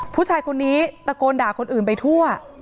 ผู้ชายคนนี้ตะโกนด่าคนอื่นไปทั่ว